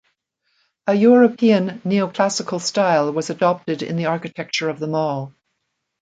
A European neoclassical style was adopted in the architecture of the mall.